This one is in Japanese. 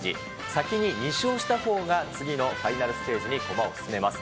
先に２勝したほうが、次のファイナルステージに駒を進めます。